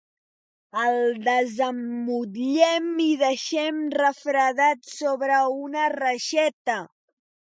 El desemmotllem i deixem refredat sobre una reixeta.